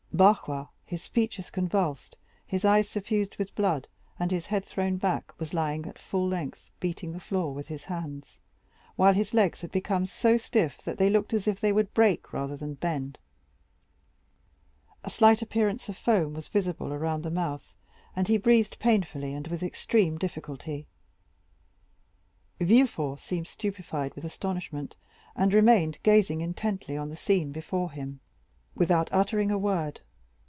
Barrois, his features convulsed, his eyes suffused with blood, and his head thrown back, was lying at full length, beating the floor with his hands, while his legs had become so stiff, that they looked as if they would break rather than bend. A slight appearance of foam was visible around the mouth, and he breathed painfully, and with extreme difficulty. Villefort seemed stupefied with astonishment, and remained gazing intently on the scene before him without uttering a word.